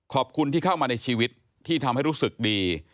ขอบคุณที่เข้ามาในชีวิตที่ทำให้รู้สึกดี